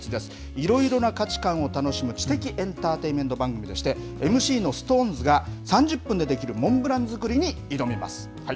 いろいろな価値観を楽しむ知的エンターテインメント番組でして、ＭＣのＳｉｘＴＯＮＥＳが３０分でできるモンブラン作りに挑みます。